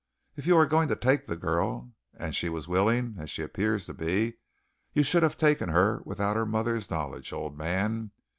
If you were going to take the girl, and she was willing, as she appears to be, you should have taken her without her mother's knowledge, old man.